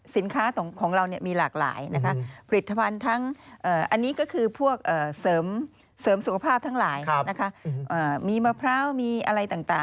สินค้าของเรามีหลากหลายนะคะผลิตภัณฑ์ทั้งอันนี้ก็คือพวกเสริมสุขภาพทั้งหลายมีมะพร้าวมีอะไรต่าง